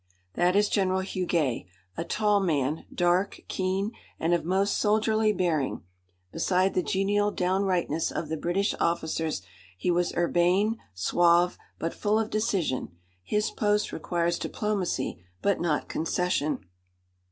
_ That is General Huguet. A tall man, dark, keen and of most soldierly bearing; beside the genial downrightness of the British officers he was urbane, suave, but full of decision. His post requires diplomacy but not concession.